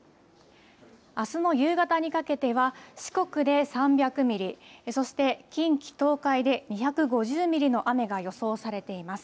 あすの夕方にかけては四国で３００ミリそして近畿東海で２５０ミリの雨が予想されています。